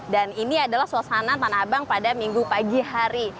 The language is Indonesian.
dan ini adalah suasana tanah abang pada minggu pagi hari